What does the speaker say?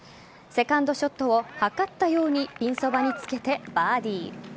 セカンドショットをはかったようにピンそばにつけて、バーディー。